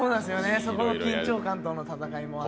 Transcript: そこの緊張感との戦いもあって。